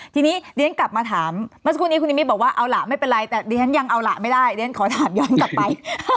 ทีนี้เรียนกลับมาถามเมื่อสักครู่นี้คุณนิมิตบอกว่าเอาล่ะไม่เป็นไรแต่ดิฉันยังเอาล่ะไม่ได้เรียนขอถามย้อนกลับไป